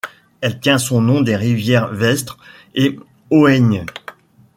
Elle tient son nom des rivières Vesdre et Hoëgne.